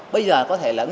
bây giờ có thể là ngân hàng